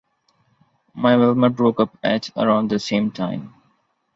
My Velma broke up at around the same time.